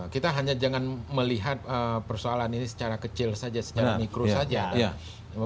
kita hanya jangan melihat persoalan ini secara kecil saja secara mikro saja